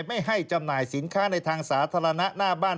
ไม่ให้จำหน่ายสินค้าในทางสาธารณะหน้าบ้าน